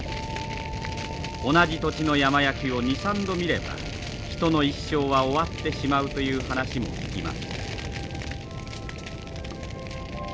同じ土地の山焼きを２３度見れば人の一生は終わってしまうという話も聞きます。